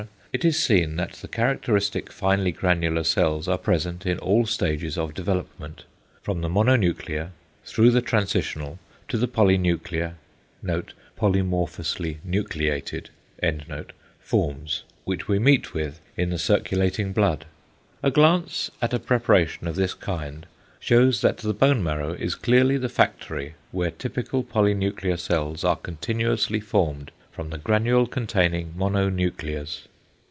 it is seen that the characteristic finely granular cells are present in all stages of development, from the mononuclear through the transitional to the polynuclear (polymorphously nucleated) forms, which we meet with in the circulating blood. A glance at a preparation of this kind shews that the bone marrow is clearly the factory where typical polynuclear cells are continuously formed from the granule containing mononuclears.